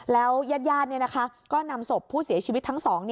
แล้วยาดก็นำศพผู้เสียชีวิตทั้ง๒